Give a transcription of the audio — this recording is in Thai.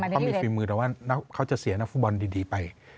เขามีฝีมือแต่ว่าเขาจะเสียนักฟุตบอลดีไป